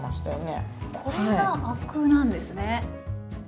これがアクなんですね。